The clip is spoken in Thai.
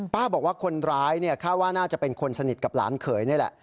บอกว่าคนร้ายเนี่ยคาดว่าน่าจะเป็นคนสนิทกับหลานเขยนี่แหละ